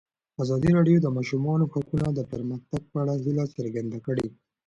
ازادي راډیو د د ماشومانو حقونه د پرمختګ په اړه هیله څرګنده کړې.